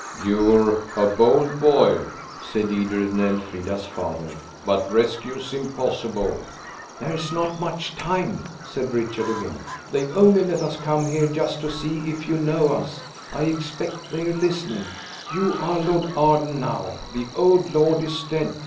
"You're a bold boy," said Edred and Elfrida's father, "but rescue's impossible." "There's not much time," said Richard again; "they've only let us come here just to see if you know us. I expect they're listening. You are Lord Arden now–the old lord is dead.